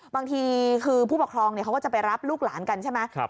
บางทีคือผู้ปกครองเขาก็จะไปรับลูกหลานกันใช่ไหม